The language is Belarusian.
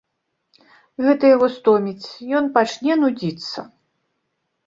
Гэта яго стоміць, ён пачне нудзіцца.